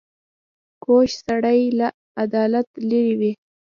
کوږ سړی له عدالت لیرې وي